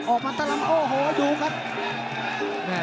ออกมาทะลำโอ้โหดูครับ